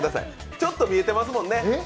ちょっと見えてますもんね。